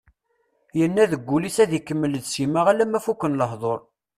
Yenna deg wul-is ad ikemmel d Sima alamma fuken lehdur.